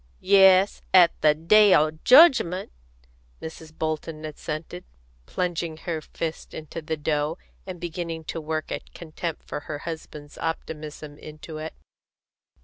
"Yes, at the day o' jedgment," Mrs. Bolton assented, plunging her fists into the dough, and beginning to work a contempt for her husband's optimism into it.